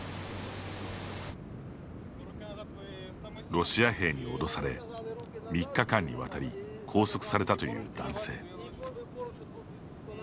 ロシア兵に脅され３日間にわたり拘束されたという男性。